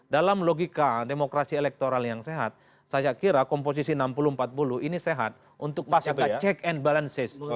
dalam logika demokrasi elektoral yang sehat saya kira komposisi enam puluh empat puluh ini sehat untuk masyarakat check and balances